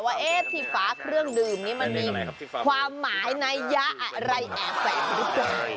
ว่าที่ฟ้าเครื่องดื่มนี่มันมีความหมายในยะไหลแอบแสน